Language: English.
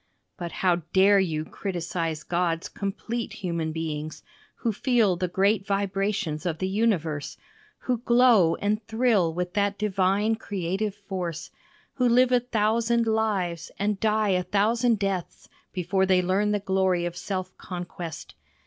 But how dare you criticize God's complete human beings, who feel the great vibrations of the universe, who glow and thrill with that divine creative force, who live a thousand lives and die a thousand deaths before they learn the glory of self conquest.